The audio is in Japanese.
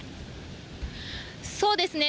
そうですね。